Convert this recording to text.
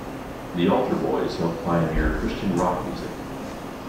The Altar Boys helped pioneer Christian rock music.